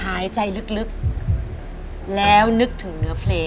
หายใจลึกแล้วนึกถึงเนื้อเพลง